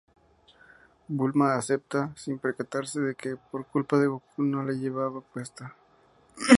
Bulma acepta sin percatarse de que, por culpa de Gokū, no la llevaba puesta.